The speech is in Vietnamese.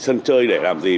sân chơi để làm gì